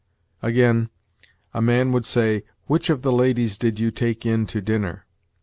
Again, a man would say, 'Which of the ladies did you take in to dinner?'